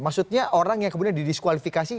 maksudnya orang yang kemudian didiskualifikasi